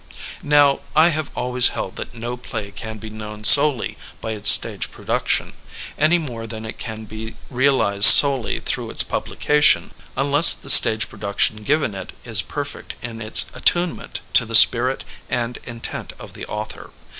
'' Now, I have always held that no play can be known solely by its stage production, any more than it can be realized solely through its publication, unless the stage production given it is perfect in its attunement to the spirit and intent of the author.